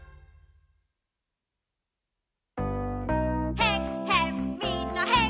「へんへんみんなへん！」